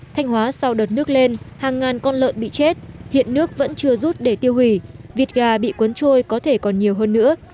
thanh hóa sau đợt nước lên hàng ngàn con lợn bị chết hiện nước vẫn chưa rút để tiêu hủy vịt gà bị cuốn trôi có thể còn nhiều hơn nữa